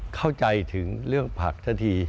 เข้าใจถึงเรื่องผักสักที